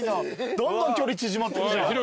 どんどん距離縮まってくじゃん。